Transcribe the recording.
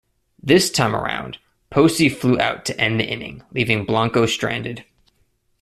This time around, Posey flew out to end the inning, leaving Blanco stranded.